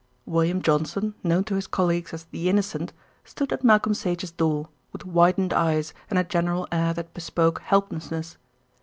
William Johnson, known to his colleagues as the innocent, stood at Malcolm Sage's door, with widened eyes and a general air that bespoke helplessness.